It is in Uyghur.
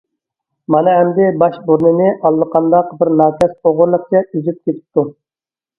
مانا ئەمدى باش بۇرنىنى ئاللىقانداق بىر ناكەس ئوغرىلىقچە ئۈزۈپ كېتىپتۇ.